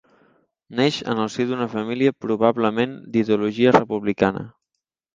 Neix en el si d'una família probablement d'ideologia republicana.